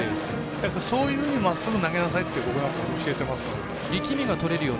そういうふうにまっすぐ投げなさいと僕なんか教えてますので。